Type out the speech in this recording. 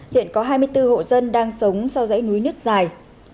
hiện có hai mươi bốn hộ dân đang sống sau dãy núi nứt dài